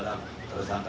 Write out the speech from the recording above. dia pasang cv